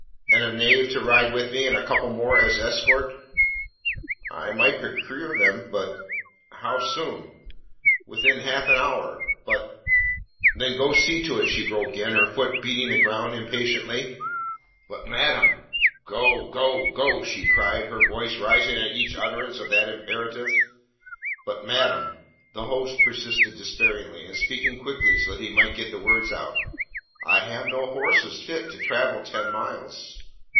"And a knave to ride with me, and a couple more as escort?" "I might procure them, but " "How soon?" "Within half an hour, but " "Then go see to it," she broke in, her foot beating the ground impatiently. "But, madam " "Go, go, go!" she cried, her voice rising at each utterance of that imperative. "But, madam," the host persisted despairingly, and speaking quickly so that he might get the words out, "I have no horses fit to travel ten miles."